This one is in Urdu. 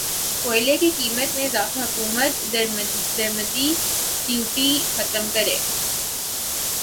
کوئلے کی قیمت میں اضافہ حکومت درمدی ڈیوٹی ختم کرے